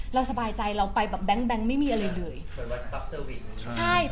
เราจะร้องไห้แล้วเรารู้สึกดีใจว่า